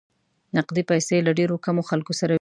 نقدې پیسې له ډېرو کمو خلکو سره وې.